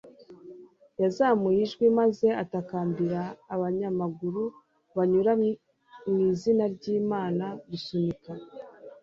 yazamuye ijwi maze atakambira abanyamaguru banyura 'mw'izina ry'imana gusunika